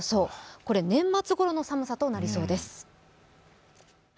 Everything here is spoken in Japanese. これ、年末ごろの寒さとなりそうです。